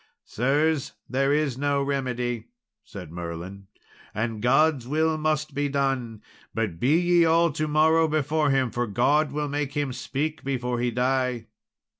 "Sirs, there is no remedy," said Merlin, "and God's will must be done; but be ye all to morrow before him, for God will make him speak before he die."